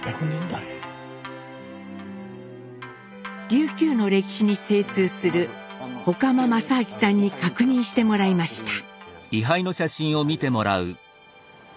琉球の歴史に精通する外間政明さんに確認してもらいました。